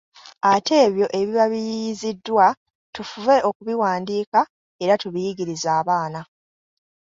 Ate ebyo ebiba biyiiyiziddwa tufube okubiwandiika era tubiyigirize abaana.